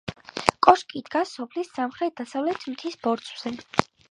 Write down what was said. კოშკი დგას სოფლის სამხრეთ-დასავლეთით მთის ბორცვზე.